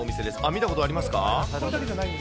見たことありますか？